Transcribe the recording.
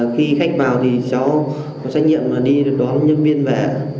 khi khách vào thì cháu có trách nhiệm đi đón nhân viên về